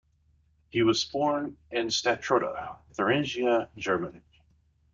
He was born in Stadtroda, Thuringia, Germany.